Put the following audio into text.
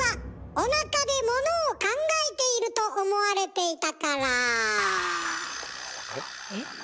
おなかでものを考えていると思われていた。